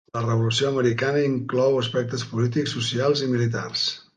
La Revolució Americana inclou aspectes polítics, socials i militars.